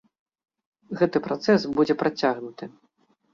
Гэты працэс будзе працягнуты.